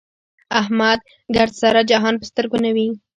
احمد ګردسره جهان په سترګو نه وي.